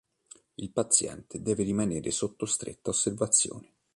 Il paziente deve rimanere sotto stretta osservazione.